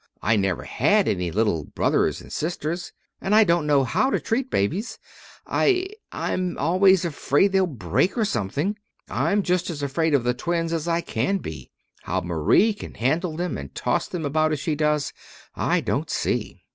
I never had any little brothers and sisters, and I don't know how to treat babies. I I'm always afraid they'll break, or something. I'm just as afraid of the twins as I can be. How Marie can handle them, and toss them about as she does, I don't see."